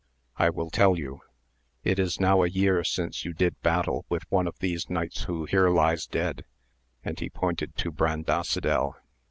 — I will tell you ; it is now a year since you did battle with one of these knights who here lies dead, and he pointed to Brandasidel.